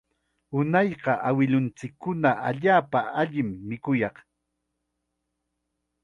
Unayqa awilunchikkuna allaapa allim mikuyaq